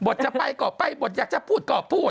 จะไปก่อไปบทอยากจะพูดก็พูด